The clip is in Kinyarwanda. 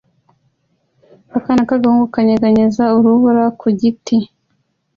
Akana k'agahungu kanyeganyeza urubura ku giti